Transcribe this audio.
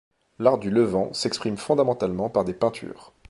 L'art du levant s'exprime fondamentalement par des peintures.